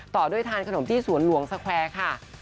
ต่อด้วยทานขนมที่สวนหลวงสแควร์ค่ะ